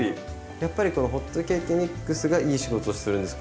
やっぱりこのホットケーキミックスがいい仕事をするんですか？